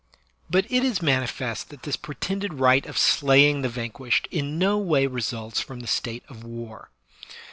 But it is manifest that this pretended right of slaying the vanquished in no way results from the state of war.